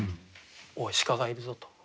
「おい鹿がいるぞ」と。